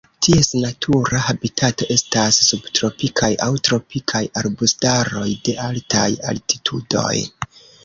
Ties natura habitato estas subtropikaj aŭ tropikaj arbustaroj de altaj altitudoj.